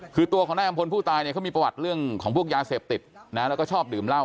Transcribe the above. คือตัวของนายอำพลผู้ตายเนี่ยเขามีประวัติเรื่องของพวกยาเสพติดนะแล้วก็ชอบดื่มเหล้า